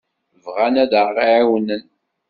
Bɣan ad aɣ-ɛawnen.